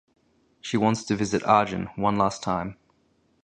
She wants to visit Arjun one last time.